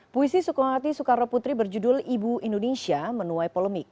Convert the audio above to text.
puisi sukmawati soekarno putri berjudul ibu indonesia menuai polemik